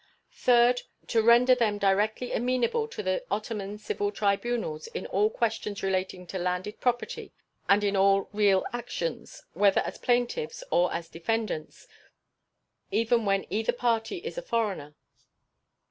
Third. To render them directly amenable to the Ottoman civil tribunals in all questions relating to landed property and in all real actions, whether as plaintiffs or as defendants, even when either party is a foreigner.